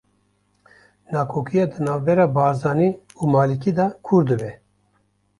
Nakokiya di navbera Barzanî û Malikî de kûr dibe